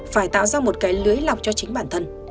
phải tạo ra một cái lưới lọc cho chính bản thân